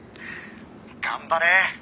「頑張れ！」